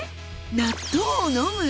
納豆を飲む！？